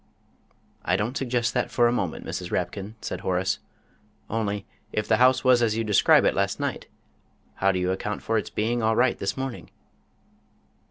"I don't suggest that for a moment, Mrs. Rapkin," said Horace; "only, if the house was as you describe last night, how do you account for its being all right this morning?"